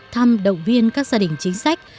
thăm động viên các gia đình chính sách